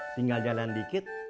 tinggal jalan dikit